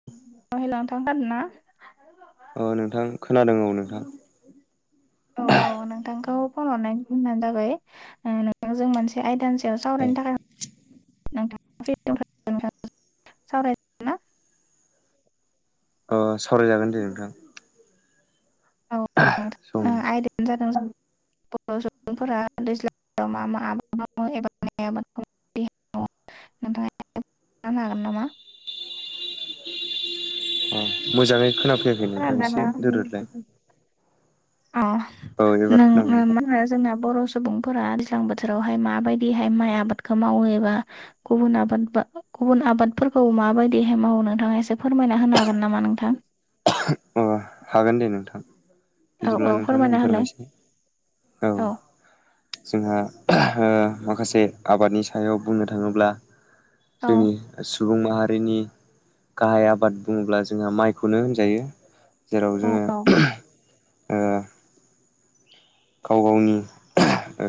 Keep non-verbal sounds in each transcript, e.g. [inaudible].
[inaudible] अ नोंथां खोनादों औ नोंथा। औ औ नोंथांखौ फन हरनाय जाहोनानो जाबाय ओ नों [unintelligible] जों मोनसे आयदानि सायाव सावरायनो अ थाखाय नोंथां [unintelligible] सावराय अ सावरायजागोन दे नोंथां। सम उम दं आयदायानो जादों बर' सुबुंफोरा दैज्लां [unintelligible] मा मा आबाद मावो एबा [unintelligible] माइ आबाद [unintelligible] नोंथाङा [unintelligible] हागोन नामा? मोजाङै खोनाफैयाखै नोंथां खोनादोंना एसे नोंथां? दोरोदलाय। अ औ एबार नों खोनाबाय नोंथां [unintelligible] जोंना बर' सु बुंफोरा दैज्लां बोथोरावहाय माबायदिहाय माइ आबादखौ मावो एबा गुबुन आबादबा गुबुन आबादफोरखौ माबायदिहाय मावो नोंथाङा एसे फोरमायना होनो हागोन नामा नोंथां? अ हागोन दे नोंथां। औ बिदिब्ला औ नोंथांनो आं फोरमायना होलाय फोरमायसै औ। जोंहा ओ माखासे आबादनि सायाव बुंनो थाङोब्ला औ जोंनि सुबुं माहारिनि गाहाय आबाद बुङोब्ला जोंहा माइखौनो होनजायो। जेराव औ जोङो औ ओ गाव गावनि ओ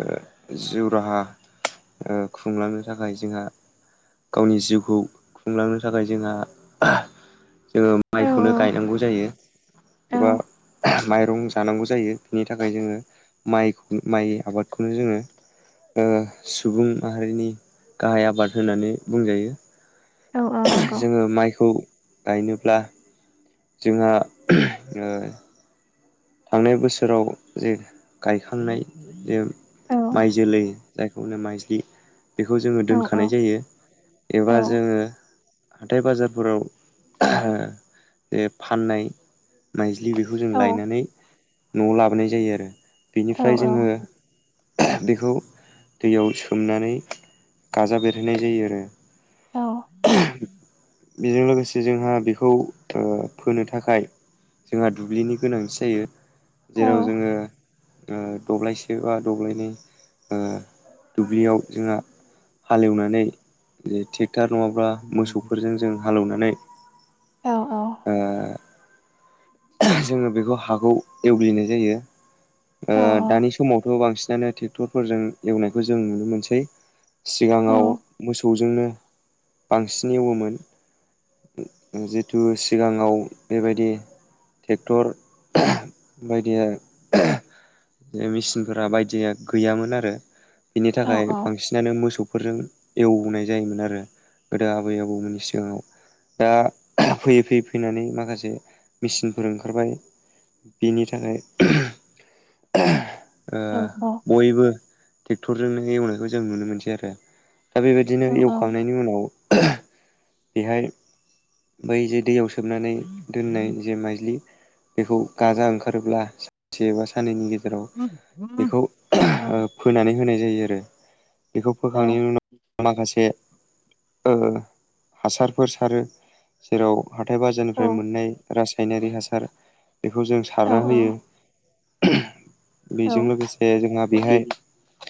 जिउ राहा ओ खुंलांनो थाखाय जोंहा गावनि जिउखौ खुंलांनो थाखाय जोंहा जोङो औ माइखौनो गायनांगौ जायो। औ एबा माइरं जानांगौ जायो बिनि थाखाय जोङो माइ माइ आबादखौनो जोङो ओ सुबुं माहारिनि गाहाय आबाद होननानै बुंजायो। औ औ नंगौ जोङो माइखौ गायनोब्ला जोंहा ओ थांनाय बोसोराव जे गायखांनाय जे औ माइ जोलै जायखौनो माइज्लि बेखौ जोङो औ औ दोनखानाय जायो। एबा औ जोङो हाथाइ बाजारफोराव बे फाननाय माइज्लि बेखौ जों लायनानै न'आव लाबोनाय जायो आरो। औ बेनिफ्राय जोङो बेखौ दैयाव सोमनानै गाजा बेरहोननाय जायो आरो। औ। बेजों लोगोसे जोंहा बेखौ ओ फोनो थाखाय जोंहा दुब्लिनि गोनांथि जायो। जेराव औ जोङो ओ दब्लायसे बा दब्लायनै ओ दुब्लियाव जोंहा हाल एवनानै ए-टेक नङाब्ला मोसौफोरजों जों हालौनानै ओ जोङो बेखौ हाखौ एवग्लिनाय जायो। ओ दानि समावथ' बांसिनानो टेक्टरफोरजों एवनायखौ जों नुनो मोनसै। सिगाङाव मोसौजोंनो बांसिन एवयोमोन। जिथु सिगाङाव बेबायदि टेक्टर बायदिया बे मेचिनफोरा बायदिया गैयामोन आरो बिनि थाखाय बांसि नानो मोसौफोरजों एवनाय जायोमोन आरो गोदो आबै आबौमोनि सिगाङाव। दा फैयै फैयै फैनानै माखासे मेचिन फोर ओंखारबाय बिनि थाखाय ओ बयबो टेक्टरजोंनो एवनायखौ जों नुनो मोनसै आरो। दा बेबायदिनो एवखांनायनि उनाव बेहाय बै जे दैयाव सोबनानै दोननाय जे माइ लि बेखौ गाजा ओंखारोब्ला सानसे एबा साननैनि गेजेराव बेखौ ओ फोनानै होनाय जायो आरो। बेखौ फोखांनायनि उनाव माखासे ओ हासारफोर सारो जेराव हाथाइ बाजारनिफ्राय मोन्नाय रास् सायनारि हासार बेखौ जों औ सारना औ होयो। औ बेजों लोगोसे जोंहा बेहाय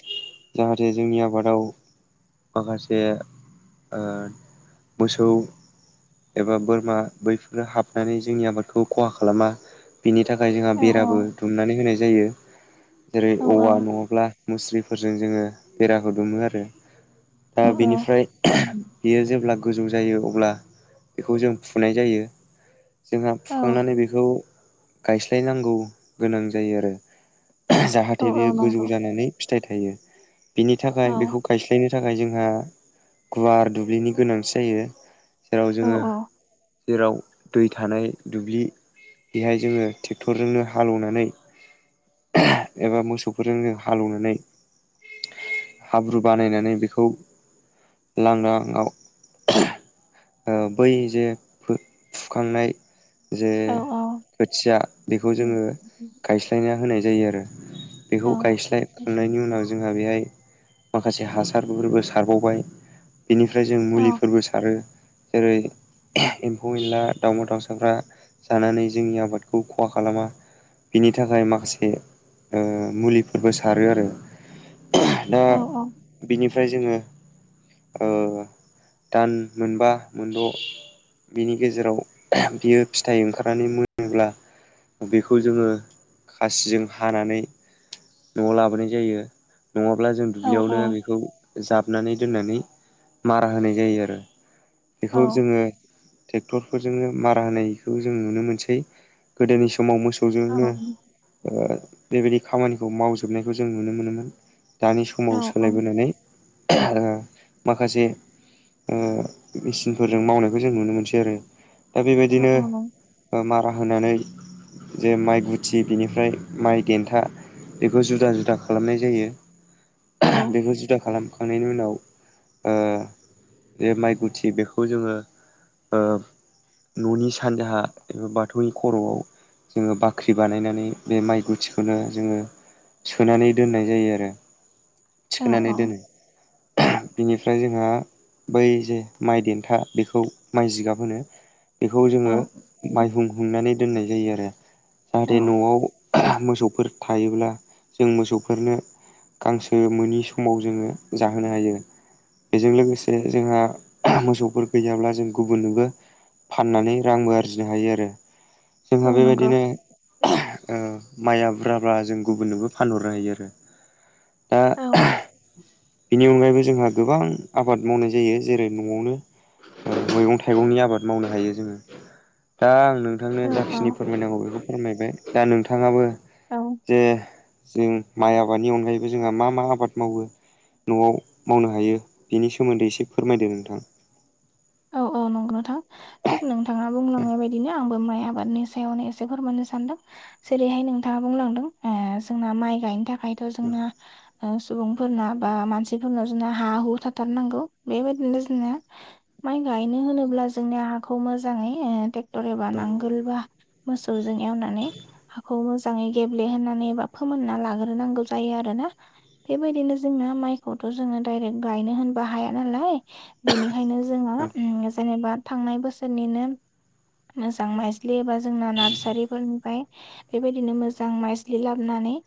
जाहाथे जोंनि आबादाव माखासे ओ मोसौ एबा बोरमा बैफोरो हाबनानै जोंनि आबाद खौ खहा खालामा बेनि थाखाय जोंहा औ औ बेराबो दुमनानै होनाय जायो। जेरै औ औवा नङाब्ला मुस्रिफोरजों जोङो बेराखौ दुमो आरो। औ दा बिनिफ्राय बियो जेब्ला गोजौ जायो अब्ला बेखौ जों फुनाय जायो। जोंहा औ फुखांनानै बेखौ गायस्लायनांगौ गोनां जायो आरो। औ जाहाथे औ बेयो गोजौ नंगौ जानानै फिथाइ थाइयो, बिनि औ थाखाय बेखौ गायस्लायनो थाखाय जोंहा गुवार दुब्लिनि गोनांथि जायो जेराव औ जोङो जेराव दै थानाय दुब्लि बेहाय जोङो टेक्टरजोंनो हालौनानै एबा मोसौफोरजों हालौनानै हाब्रु बानायनानै बेखौ लांदांआव ओ बै जे फो-फुखांनाय जे औ औ औ खोथिया बेखौ नं जोङो गायस्लायना होनाय जायो आरो। औ बेखौ गायस्लायखांनायनि उनाव जोंहा बेहाय माखासे हासारफोरबो सारबावबाय। बेनिफ्राय जों मुलिफोरबो सारो जेरै एम्फौ एनला, दाउमा दाउसाफ्रा जानानै जोंनि आबादखौ खहा खालामा बिनि थाखाय माखासे ओ मुलिफोरबो सारो आरो। दा औ बिनिफ्राय जोङो ओ दान मोनबा मोनद' बिनि गेजेराव बियो फिथाइ ओंखारनानै मोनोब्ला बेखौ जोङो खासिजों हानानै न'आव लाबोनाय जायो नङाब्ला जों औ औ दुब्लियावनो बेखौ जाब नानै दोन्नानै मारा होनाय जायो आरो। बेखौ जोङो टेक्टरफोरजोंनो मारा होनायखौ जों नुनो मोनसै, गोदोनि समाव मोसौजोंनो नंगौ ओ बेबायदि खामानिखौ मावजोबनायखौ जों नुनो मोनोमोन। दानि समाव औ सोलायबोनानै ओ माखासे ओ मेचिनफोरजों मावनायखौ जों नुनो मोनसै आरो। दा बेबायदिनो आ मारा होनानै जे माइ गुथि बिनिफ्राय माइ देन्था बेखौ जुदा जुदा खालामनाय जायो बेखौ जुदा खालाम खांनायनि उनाव ओ ननि जे माइ गुथि बेखौ जोङो ओ न'नि सानजाहा एबा बाथौनि खर'आव जोङो बाख्रि बानायनानै बे माइ गुथिखौनो जोङो सोनानै दोननाय जायो आरो थिखोनानै दोनो बिनिफ्राय जोंहा बै जे माइ देन्था बेखौ माइ जिगाब होनो बेखौ जोङो माइहुं हुंनानै दोननाय जायो आरो जाहाथे न'आव मोसौफोर थायोब्ला जों मोसौफोरनो गांसो मोनि समाव जोङो जाहोनो हायो। बेजों लोगोसे जोंहा मोसौफोर गैयाब्ला जों गुबुननोबो फाननानै रांबो आरजिनो हायो आरो जोंहा बेबायदिनो आ माइ आबुरजाब्ला जों गुबुननोबो फानहरनो हायो आरो दा बेनि अनगायैबो जोंहा गोबां आबाद मावनाय जायो जेरै न'आवनो मैगं थाइगंनि आबाद मावनो हायो जोङो दा आं औ नोंथांनो औ जाखिनि फोरमायनांगौ बेखौ फोरमायबाय दा नोंथाङाबो औ जे जों माइ आबादनि अनगायैबो जोंहा मा मा आबाद मावो न'आव मावनो हायो बिनि सोमोन्दै एसे फोरमायदो नोंथां औ औ नंगौ नोंथां थिग नोंथाङा बुंलांनाय बायदिनो आंबो माइ आबादनि सायावनो एसे फोरमनो सानदों जेरैहाय नोंथाङा बुंलांदों आ जोंना माइ गायनो थाखाय द' जोंना थां सुबुंफोरना बा मानसिफोरनाव जोंनो हा हु थाथारनांगौ बेबायदिनो जोंना माइ गायनो होनोब्ला जोंनिया हाखौ मोजाङै आ ट्रेक्टर एबा नांगोलबा मोसौजों एवनानै हाखौ मोजाङै गेब्लेहोनानै एबा फोमोनना लाग्रोनांगौ जायो आरोना बेबायदिनो जोंना माइखौथ जोङो डायरेक गायनो होनब हाया नालाय बेनिखायनो जोङो उम जेनेबा थांनाय बोसोरनिनो मोजां माइस्लि एबा जोंना नार्सारिफोरनिफ्राय बेबायदिनो मोजां माइस्लि लाबोनानै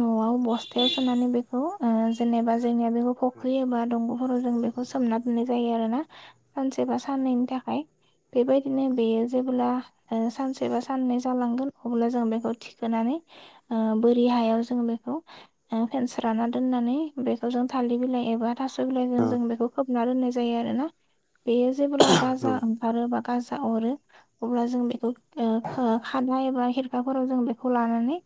न'आव बस्थायाव सोनानै बेखौ ओ जेनेबा जोंनिया बेखौ फख्रियोबा दंग'फोराव जों बे खौ सोमना दोननाय जायो आरो ना सानसे बा साननैनि थाखाय बेबायदिनो बेयो जेब्ला सानसे बा साननै जालांगोन अब्ला जों बेखौ थिखोनानै ओ बोरि हायाव जोङो बेखौ फेनस राना दोननानै बेखौ जों थालिर बिलाइ एबा थास बिलाइजों जों बेखौ खोबना दोननाय जायो आरो ना। बेयो जेबोब्ला गाजा ओंखारो बा गाजा अरो अब्ला जों बेखौ खारनाय एबा हेरफाफोराव जों बेखौ लानानै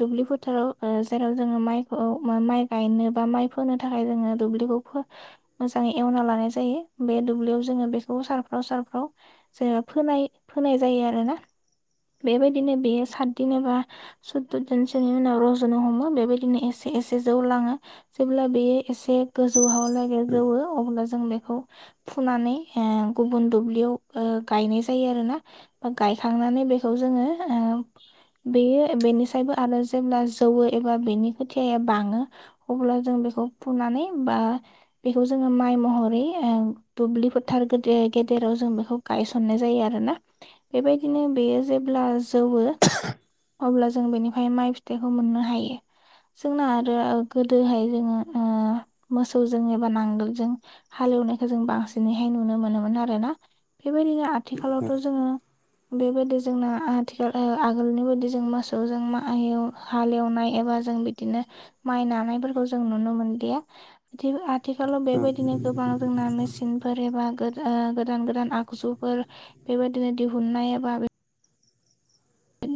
दुब्लि फोथाराव जेराव जोङो माइखौ माइ गायनो बा माइ फोनो थाखाय जोङो दुब्लिखौ मोजाङै एवना लानाय जायो। बे दुब्लियाव जोङो बेखौ सारफ्राव सारफ्राव जेनबा फोनाय फोनाय जायो आरो ना। बेबायदिनो बेयो साददिन एबा सुदद दिनसोनि उनाव रजनो हमो बेबायदिनो एसे एसे जौ लाङो जेब्ला बेयो एसे गोजौआवाव नागिरगो अब्ला जों बेखौ फुनानै ओ गुबुन दुब्लियाव गायनाय जायो आर ना बा गायखांनानै बेखौ जोङो बेयो बेनिसायबो आरो जेब्ला जौवो एबा बेनि खोथियाया बाङो अब्ला जों बेखौ फुनानै बा बेखौ जोङो माइ महरै उम दुब्लि फोथार गेदेर गेदेराव जों बेखौ गायसननाय जायो आरो ना। बेबायदिनो बेयो जेब्ला जौवो अब्ला जों बेनिफ्राय माइ फिथाइखौ मोननो हायो। जोंना आरो गोदोहाय जोङो ओ मोसौजों एबा नांगोलजों हालेवनायखौ जों बांसिनैहाय नुनो मोनोमोन आरोना बेबायदिनो आथिखालावथ जोङो बेबायदि जोंना आथिखाल आगोलनि बायदि जों मोसौजों माइ एव हालेवनाय एबा जों बिदिनो माइ नानायफोरखौ जों नुनो मोनलिया। थिग आथिखालाव बेबायदिनो गोबां जों ना मेसिनफोर एबा गो ओ गोदान गोदान आगजुफोर बेबायदिनो दिहुननाय एबा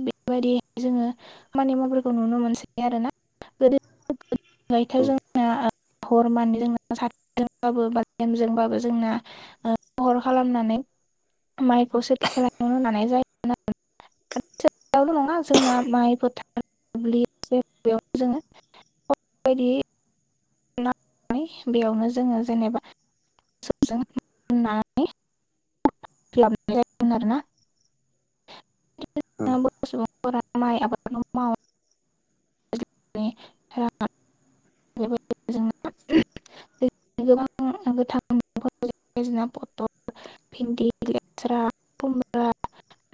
बेबायदि जोङो खामानि मावफोरखौ नुनो मोनसै आरो ना। गोदो गोदायथ जोंनिया हर माने जोंना साथिजोंबाबो बा लेमजोंबाबो जोंना ओ महर खालामनानै [unintelligible] जायोमोन आरो [unintelligible] नङा जोंना माइ फोथार दुब्लि बेयावनो जोङो [unintelligible] नानानै बेयावनो जोङो जेनेबा मोसौजों नानानै लाबोनाय जायोमोन आरो ना बर सुबुंफोरा माइ आबादखौ मावो [unintelligible] गोबां गोथां [unintelligible] ना पथल, भिन्दि, लेस्रा, खुमब्रा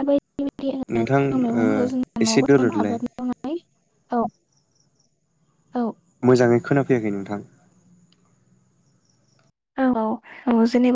बायदि बायदि नोंथां गोबां ओ मैगंफोरखौ जोंना न'आव एसे दोरोदलाय। [unintelligible] औ औ। मोजाङै खोनाफैयाखै नोंथां। औ औ औ जेनेबा